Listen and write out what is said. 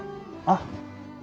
あっ。